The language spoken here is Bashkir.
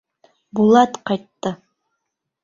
Булат ҡайтты!